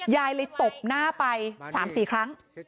ยายเลยตบหน้าไป๓๔ครั้ง